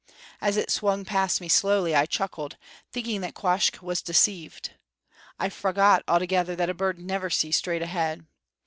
As it swung past me slowly I chuckled, thinking that Quoskh was deceived. I forgot altogether that a bird never sees straight ahead.